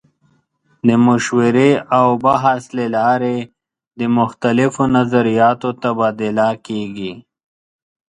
د مشورې او بحث له لارې د مختلفو نظریاتو تبادله کیږي.